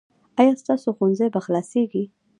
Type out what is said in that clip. ایا ستاسو ښوونځی به خلاصیږي؟